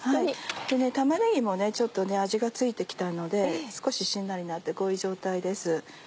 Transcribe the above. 玉ねぎもちょっと味が付いて来たので少ししんなりなってこういう状態です。